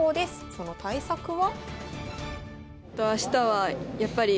その対策は？